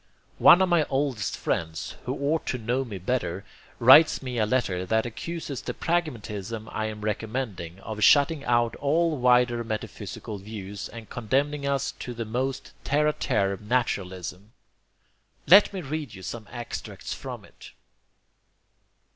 One of my oldest friends, who ought to know me better, writes me a letter that accuses the pragmatism I am recommending, of shutting out all wider metaphysical views and condemning us to the most terre a terre naturalism. Let me read you some extracts from it.